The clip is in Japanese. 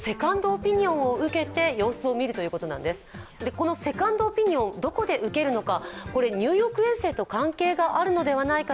このセカンドオピニオン、どこで受けるのか。